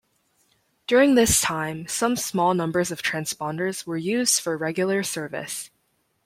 During this time, some small numbers of transponders were used for regular service.